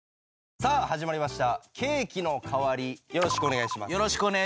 さあ始まりました『ケーキのかわり』お願いします。